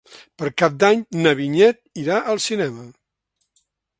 Per Cap d'Any na Vinyet irà al cinema.